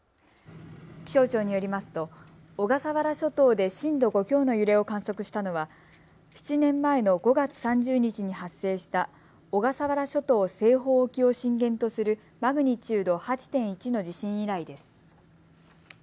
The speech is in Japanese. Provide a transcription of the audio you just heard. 気象庁によりますと小笠原諸島で震度５強の揺れを観測したのは７年前の５月３０日に発生した小笠原諸島西方沖を震源とするマグニチュード８．１の地震以来です。